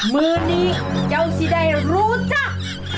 มือนี้เจ้าสิได้รู้จัก